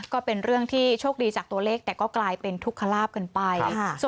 ก็เป็นเรื่องที่โชคดีจากตัวเลขแต่ก็กลายเป็นทุกขลาบกันไป